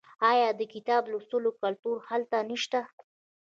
آیا د کتاب لوستلو کلتور هلته نشته؟